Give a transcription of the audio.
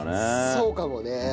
そうかもね。